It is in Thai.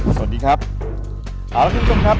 สวัสดีครับสวัสดีคุณผู้ชมครับ